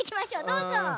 どうぞ！